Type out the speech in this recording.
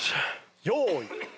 用意。